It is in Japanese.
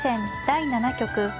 第７局。